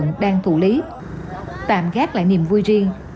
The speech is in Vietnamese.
các đồng đội đang thủ lý tạm gác lại niềm vui riêng